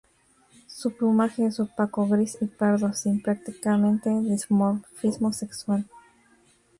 Su plumaje es opaco; gris y pardo, sin prácticamente dimorfismo sexual.